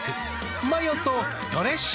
マヨとドレッシングで。